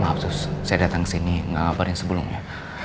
maaf tuz saya datang kesini gak ngapain sebelumnya